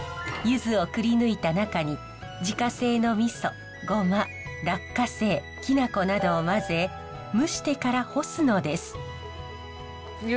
ゆずをくりぬいた中に自家製のみそゴマ落花生きな粉などを混ぜ蒸してから干すのです。